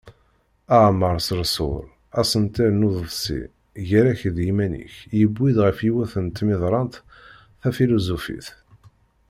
Aɛmaṛ Seṛṣuṛ: Asentel n uḍebsi "Gar-ak d yiman-ik", yewwi-d ɣef yiwet n tmiḍrant tafiluzufit.